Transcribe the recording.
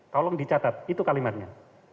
tolong dicatat itu kalimatnya